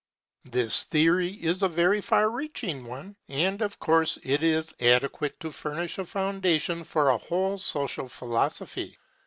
This theory is a very far reaching one, and of course it is adequate to furnish a foundation for a whole social philosophy.